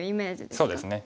そうですね。